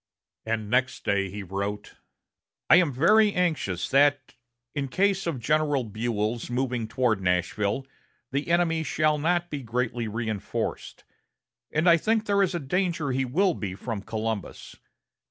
And next day he wrote: "I am very anxious that, in case of General Buell's moving toward Nashville, the enemy shall not be greatly reinforced, and I think there is danger he will be from Columbus.